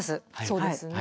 そうですね。